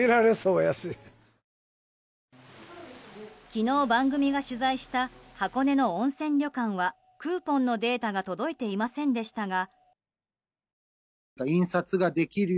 昨日、番組が取材した箱根の温泉旅館はクーポンのデータが届いていませんでしたが。